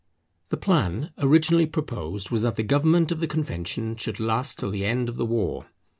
The plan originally proposed was that the government of the Convention should last till the end of the war.